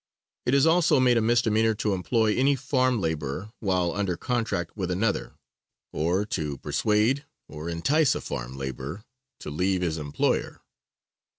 It is also made a misdemeanor to employ any farm laborer while under contract with another, or to persuade or entice a farm laborer to leave his employer.